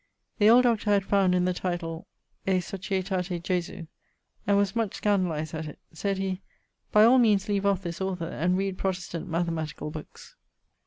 The old Dr. had found in the title '......, e Societate Jesu,' and was much scandalized at it. Sayd he, 'By all meanes leave off this author, and read Protestant mathematicall bookes.'